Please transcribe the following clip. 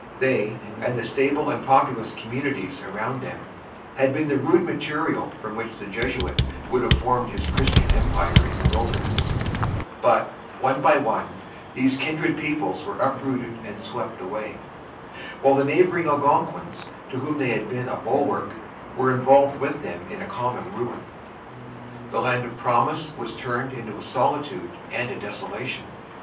They, and the stable and populous communities around them, had been the rude material from which the Jesuit would have formed his Christian empire in the wilderness; but, one by one, these kindred peoples were uprooted and swept away, while the neighboring Algonquins, to whom they had been a bulwark, were involved with them in a common ruin. The land of promise was turned to a solitude and a desolation.